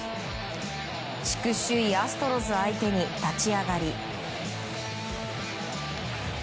地区首位アストロズ相手に立ち上がり。